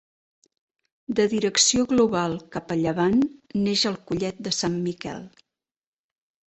De direcció global cap a llevant, neix al Collet de Sant Miquel.